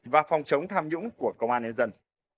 và phòng chống tham nhũng của công an nhân dân